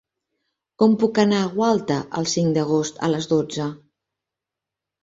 Com puc anar a Gualta el cinc d'agost a les dotze?